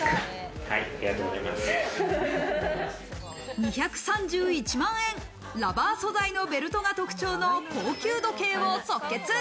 ２３１万円、ラバー素材のベルトが特徴の高級時計を即決。